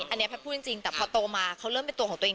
อันนี้แพทย์พูดจริงแต่พอโตมาเขาเริ่มเป็นตัวของตัวเอง